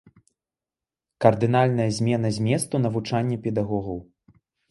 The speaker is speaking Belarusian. Кардынальная змена зместу навучання педагогаў.